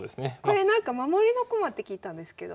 これなんか守りの駒って聞いたんですけど。